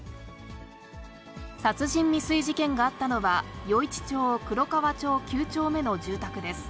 殺人未遂事件があったのは、余市町黒川町９丁目の住宅です。